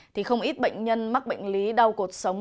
thì không ít bệnh nhân mắc bệnh lý đau cuộc sống